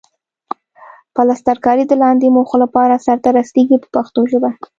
پلسترکاري د لاندې موخو لپاره سرته رسیږي په پښتو ژبه.